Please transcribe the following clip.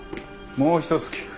もう一つ聞く。